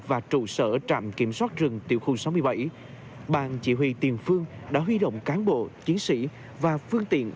và trụ sở trạm kiểm soát rừng tiểu khu sáu mươi bảy bang chỉ huy tiền phương đã huy động cán bộ chiến sĩ và phương tiện